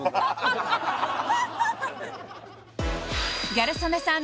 ギャル曽根さん